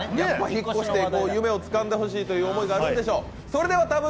引っ越して夢をつかんでほしいという思いがあるんでしょう。